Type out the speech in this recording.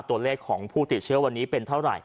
ตัวเลขของผู้ติดเชื้อวันนี้เป็นเท่าไหร่